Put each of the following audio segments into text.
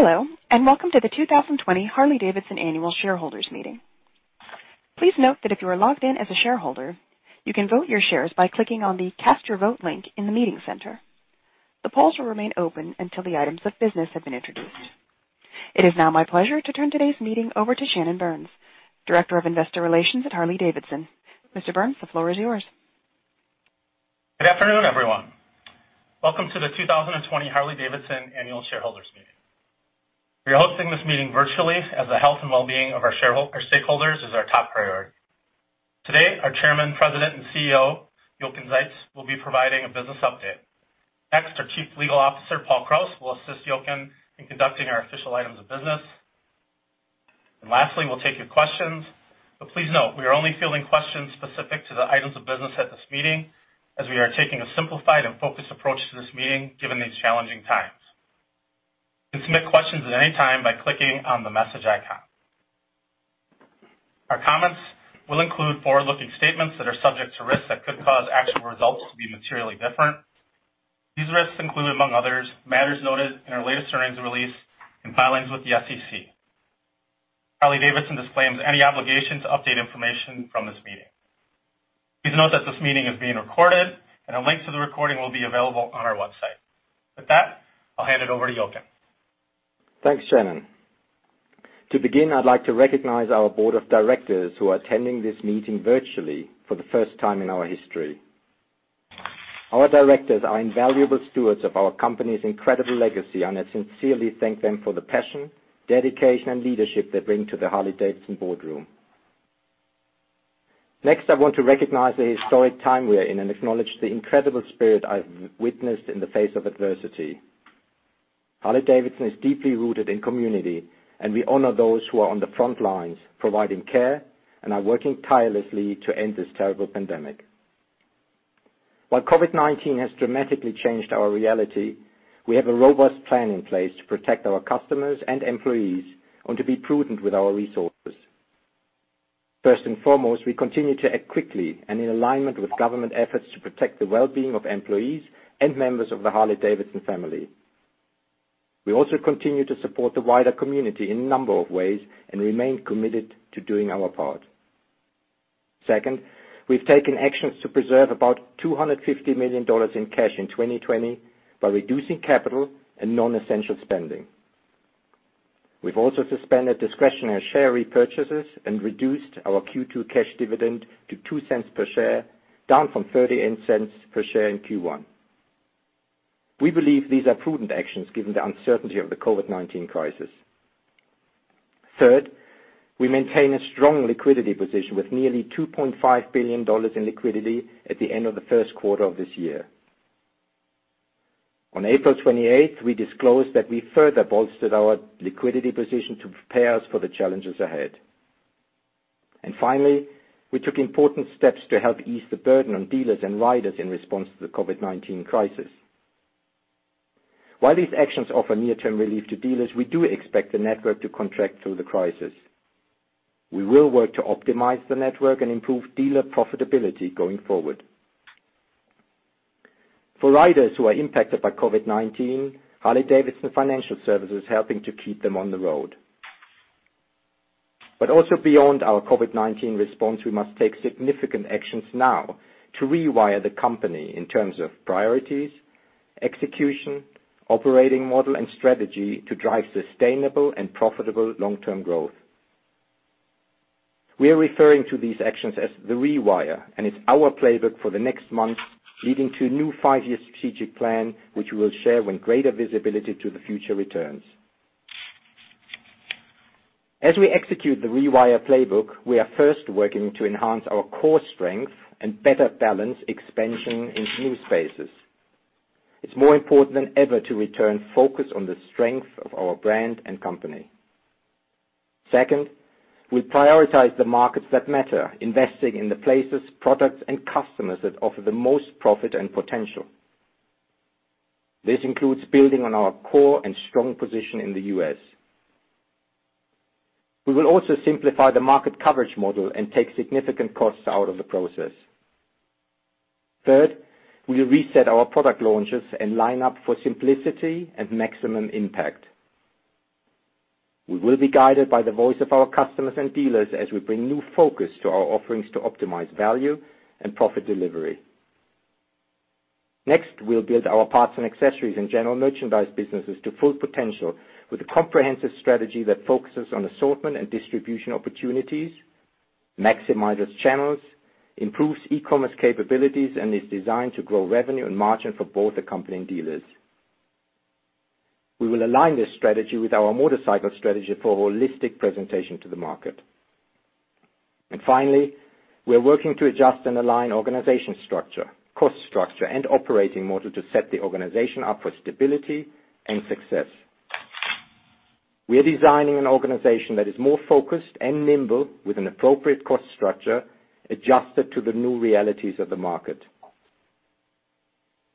Hello, and welcome to the 2020 Harley-Davidson Annual Shareholders Meeting. Please note that if you are logged in as a shareholder, you can vote your shares by clicking on the "Cast Your Vote" link in the meeting center. The polls will remain open until the items of business have been introduced. It is now my pleasure to turn today's meeting over to Shannon Burns, Director of Investor Relations at Harley-Davidson. Mr. Burns, the floor is yours. Good afternoon, everyone. Welcome to the 2020 Harley-Davidson Annual Shareholders Meeting. We are hosting this meeting virtually as the health and well-being of our stakeholders is our top priority. Today, our Chairman, President, and CEO, Jochen Zeitz, will be providing a business update. Next, our Chief Legal Officer, Paul Krause, will assist Jochen in conducting our official items of business. Lastly, we'll take your questions. Please note, we are only fielding questions specific to the items of business at this meeting, as we are taking a simplified and focused approach to this meeting given these challenging times. You can submit questions at any time by clicking on the message icon. Our comments will include forward-looking statements that are subject to risks that could cause actual results to be materially different. These risks include, among others, matters noted in our latest earnings release and filings with the SEC. Harley-Davidson disclaims any obligation to update information from this meeting. Please note that this meeting is being recorded, and a link to the recording will be available on our website. With that, I'll hand it over to Jochen. Thanks, Shannon. To begin, I'd like to recognize our Board of Directors who are attending this meeting virtually for the first time in our history. Our directors are invaluable stewards of our company's incredible legacy, and I sincerely thank them for the passion, dedication, and leadership they bring to the Harley-Davidson boardroom. Next, I want to recognize the historic time we're in and acknowledge the incredible spirit I've witnessed in the face of adversity. Harley-Davidson is deeply rooted in community, and we honor those who are on the front lines, providing care and are working tirelessly to end this terrible pandemic. While COVID-19 has dramatically changed our reality, we have a robust plan in place to protect our customers and employees and to be prudent with our resources. First and foremost, we continue to act quickly and in alignment with government efforts to protect the well-being of employees and members of the Harley-Davidson family. We also continue to support the wider community in a number of ways and remain committed to doing our part. Second, we've taken actions to preserve about $250 million in cash in 2020 by reducing capital and non-essential spending. We've also suspended discretionary share repurchases and reduced our Q2 cash dividend to $0.02 per share, down from $0.38 per share in Q1. We believe these are prudent actions given the uncertainty of the COVID-19 crisis. Third, we maintain a strong liquidity position with nearly $2.5 billion in liquidity at the end of the first quarter of this year. On April 28, we disclosed that we further bolstered our liquidity position to prepare us for the challenges ahead. Finally, we took important steps to help ease the burden on dealers and riders in response to the COVID-19 crisis. While these actions offer near-term relief to dealers, we do expect the network to contract through the crisis. We will work to optimize the network and improve dealer profitability going forward. For riders who are impacted by COVID-19, Harley-Davidson Financial Services is helping to keep them on the road. Also, beyond our COVID-19 response, we must take significant actions now to rewire the company in terms of priorities, execution, operating model, and strategy to drive sustainable and profitable long-term growth. We are referring to these actions as The Rewire, and it's our playbook for the next months, leading to a new five-year strategic plan, which we will share when greater visibility to the future returns. As we execute The Rewire playbook, we are first working to enhance our core strength and better balance expansion into new spaces. It's more important than ever to return focus on the strength of our brand and company. Second, we'll prioritize the markets that matter, investing in the places, products, and customers that offer the most profit and potential. This includes building on our core and strong position in the US. We will also simplify the market coverage model and take significant costs out of the process. Third, we'll reset our product launches and line up for simplicity and maximum impact. We will be guided by the voice of our customers and dealers as we bring new focus to our offerings to optimize value and profit delivery. Next, we'll build our parts and accessories and general merchandise businesses to full potential with a comprehensive strategy that focuses on assortment and distribution opportunities, maximizes channels, improves e-commerce capabilities, and is designed to grow revenue and margin for both accompanying dealers. We will align this strategy with our motorcycle strategy for a holistic presentation to the market. Finally, we're working to adjust and align organization structure, cost structure, and operating model to set the organization up for stability and success. We are designing an organization that is more focused and nimble with an appropriate cost structure adjusted to the new realities of the market.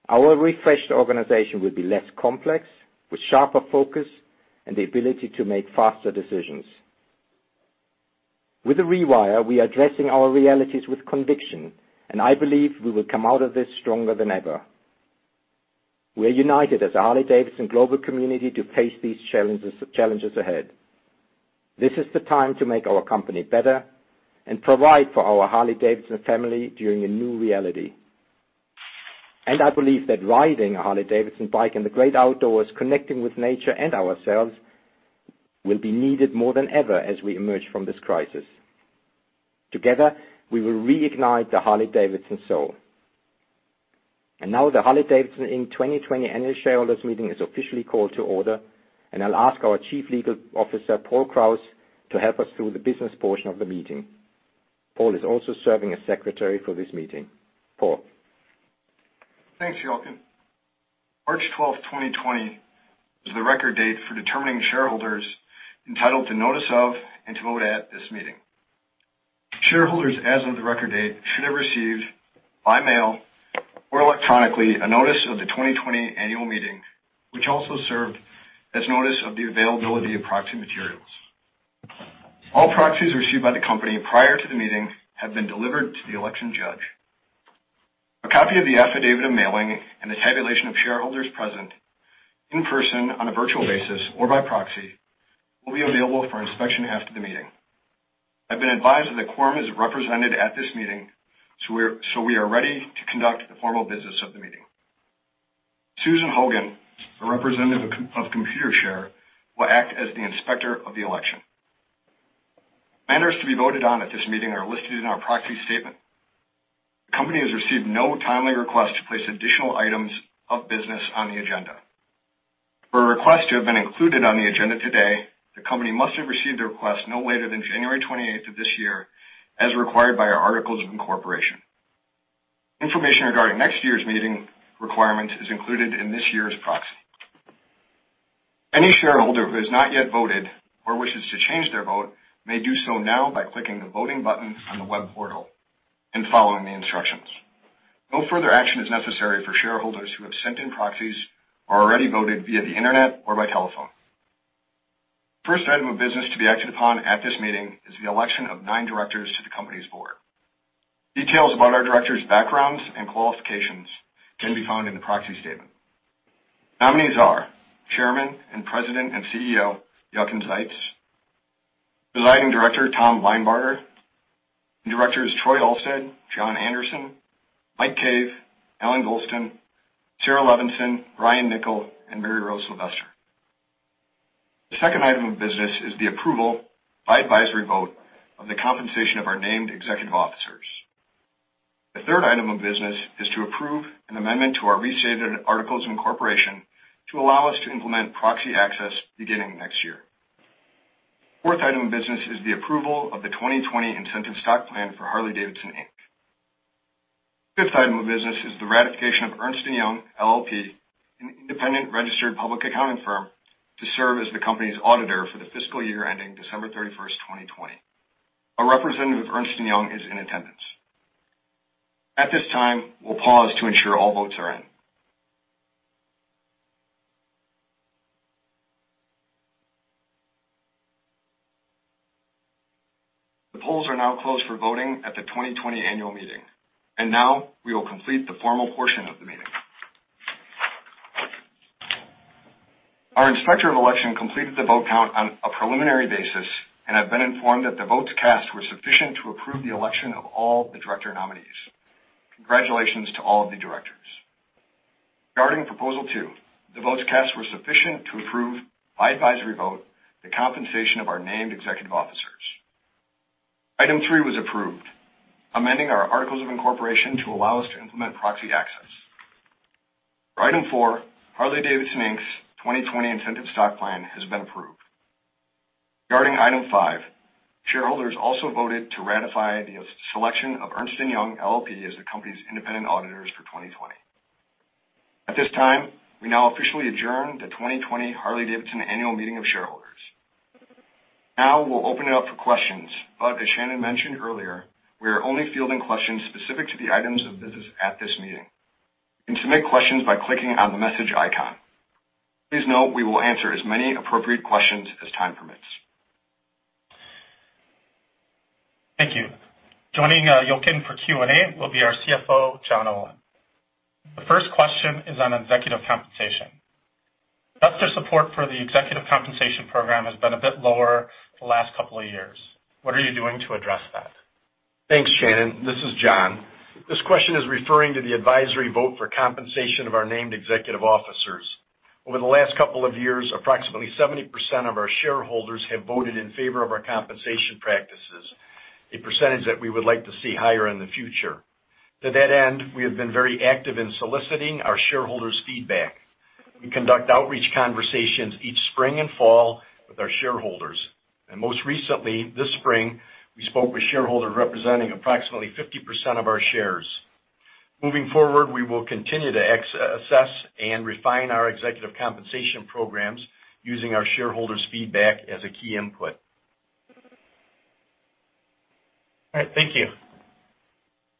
Our refreshed organization will be less complex, with sharper focus and the ability to make faster decisions. With the rewire, we are addressing our realities with conviction, and I believe we will come out of this stronger than ever. We are united as a Harley-Davidson global community to face these challenges ahead. This is the time to make our company better and provide for our Harley-Davidson family during a new reality. I believe that riding a Harley-Davidson bike in the great outdoors, connecting with nature and ourselves, will be needed more than ever as we emerge from this crisis. Together, we will reignite the Harley-Davidson soul. The Harley-Davidson 2020 Annual Shareholders Meeting is officially called to order, and I'll ask our Chief Legal Officer, Paul Krause, to help us through the business portion of the meeting. Paul is also serving as Secretary for this meeting. Paul. Thanks, Jochen. March 12, 2020, is the record date for determining shareholders entitled to notice of and to vote at this meeting. Shareholders, as of the record date, should have received by mail or electronically a notice of the 2020 Annual Meeting, which also served as notice of the availability of proxy materials. All proxies received by the company prior to the meeting have been delivered to the election judge. A copy of the affidavit of mailing and the tabulation of shareholders present in person on a virtual basis or by proxy will be available for inspection after the meeting. I've been advised that the quorum is represented at this meeting, so we are ready to conduct the formal business of the meeting. Susan Hogan, a representative of Computershare, will act as the inspector of the election. Matters to be voted on at this meeting are listed in our proxy statement. The company has received no timely request to place additional items of business on the agenda. For a request to have been included on the agenda today, the company must have received the request no later than January 28 of this year, as required by our articles of incorporation. Information regarding next year's meeting requirements is included in this year's proxy. Any shareholder who has not yet voted or wishes to change their vote may do so now by clicking the voting button on the web portal and following the instructions. No further action is necessary for shareholders who have sent in proxies or already voted via the internet or by telephone. The first item of business to be acted upon at this meeting is the election of nine directors to the company's board. Details about our directors' backgrounds and qualifications can be found in the proxy statement. Nominees are Chairman, President and CEO Jochen Zeitz, Presiding Director Thomas Linebarger, and Directors Troy Alstead, John Anderson, Michael Cave, Allan Golston, Sara Levinson, Brian Niccol, and Maryrose Sylvester. The second item of business is the approval by advisory vote of the compensation of our named executive officers. The third item of business is to approve an amendment to our restated articles of incorporation to allow us to implement proxy access beginning next year. The fourth item of business is the approval of the 2020 Incentive Stock Plan for Harley-Davidson. The fifth item of business is the ratification of Ernst & Young, LLP, an independent registered public accounting firm, to serve as the company's auditor for the fiscal year ending December 31, 2020. A representative of Ernst & Young is in attendance. At this time, we'll pause to ensure all votes are in. The polls are now closed for voting at the 2020 Annual Meeting. We will complete the formal portion of the meeting. Our Inspector of Election completed the vote count on a preliminary basis and have been informed that the votes cast were sufficient to approve the election of all the director nominees. Congratulations to all of the directors. Regarding Proposal 2, the votes cast were sufficient to approve by advisory vote the compensation of our named executive officers. Item 3 was approved, amending our articles of incorporation to allow us to implement proxy access. For Item 4, Harley-Davidson's 2020 Incentive Stock Plan has been approved. Regarding Item 5, shareholders also voted to ratify the selection of Ernst & Young, LLP, as the company's independent auditors for 2020. At this time, we now officially adjourn the 2020 Harley-Davidson Annual Meeting of shareholders. Now, we'll open it up for questions. As Shannon mentioned earlier, we are only fielding questions specific to the items of business at this meeting. You can submit questions by clicking on the message icon. Please note, we will answer as many appropriate questions as time permits. Thank you. Joining Jochen for Q&A will be our CFO, John Olin. The first question is on executive compensation. Investor support for the executive compensation program has been a bit lower the last couple of years. What are you doing to address that? Thanks, Shannon. This is John. This question is referring to the advisory vote for compensation of our named executive officers. Over the last couple of years, approximately 70% of our shareholders have voted in favor of our compensation practices, a percentage that we would like to see higher in the future. To that end, we have been very active in soliciting our shareholders' feedback. We conduct outreach conversations each spring and fall with our shareholders. Most recently, this spring, we spoke with shareholders representing approximately 50% of our shares. Moving forward, we will continue to assess and refine our executive compensation programs using our shareholders' feedback as a key input. All right. Thank you.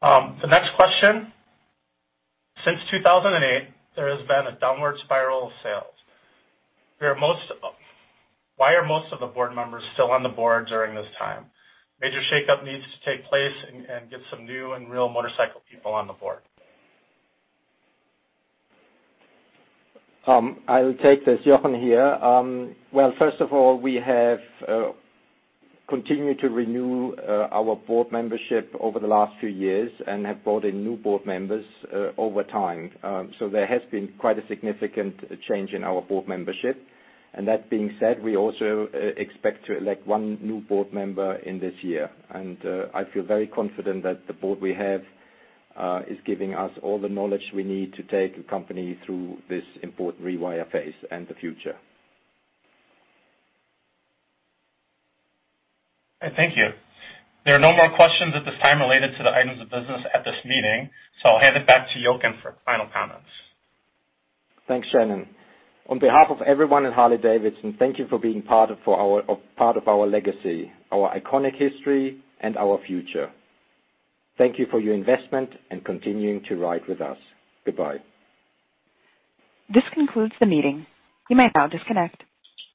The next question. Since 2008, there has been a downward spiral of sales. Why are most of the board members still on the board during this time? Major shakeup needs to take place and get some new and real motorcycle people on the board. I will take the Jochen here. First of all, we have continued to renew our board membership over the last few years and have brought in new board members over time. There has been quite a significant change in our board membership. That being said, we also expect to elect one new board member in this year. I feel very confident that the board we have is giving us all the knowledge we need to take the company through this important rewire phase and the future. Thank you. There are no more questions at this time related to the items of business at this meeting, so I'll hand it back to Jochen for final comments. Thanks, Shannon. On behalf of everyone at Harley-Davidson, thank you for being part of our legacy, our iconic history, and our future. Thank you for your investment and continuing to ride with us. Goodbye. This concludes the meeting. You may now disconnect.